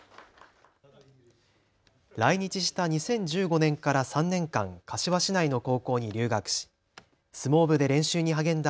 来日した２０１５年から３年間、柏市内の高校に留学し相撲部で練習に励んだ